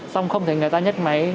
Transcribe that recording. xong không thấy người ta nhấc máy